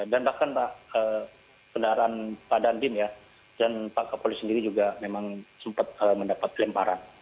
dan bahkan pak dandim dan pak kapolres sendiri juga memang sempat mendapat pelemparan